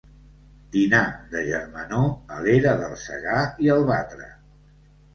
Dinar de germanor a l'era del Segar i el Batre.